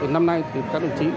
năm nay các đồng chí